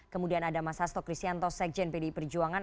kemudian ada mas hasto kristianto sekjen pdi perjuangan